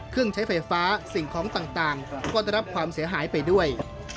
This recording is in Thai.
เครื่องใช้ไฟฟ้าสิ่งของต่างก็ได้รับความเสียหายไปด้วย